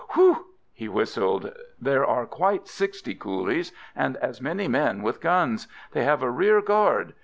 Wheew!" he whistled, "there are quite sixty coolies, and as many men with guns. They have a rear guard.